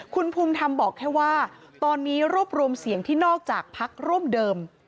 คุณภูมิธรรมบอกแค่ว่าตอนนี้รวบรวมเสียงที่นอกจากพักร่วมเดิม